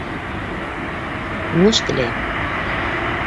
Уңыш теләйем.